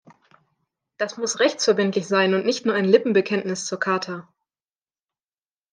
Das muss rechtsverbindlich sein und nicht nur ein Lippenbekenntnis zur Charta.